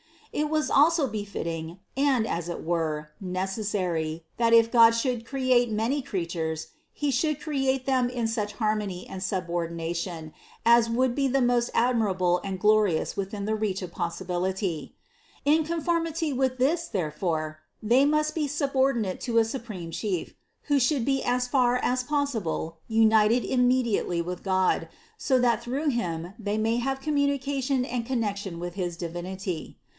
It was also befitting and, as it were, necessary, that if God should create many crea tures, He should create them in such harmony and sub ordination, as would be the most admirable and glorious within the reach of possibility. In conformity with this therefore, they must be subordinate to a supreme Chief, who should be as far as possible united immediately with God, so that through Him they may have communication and connection with his Divinity.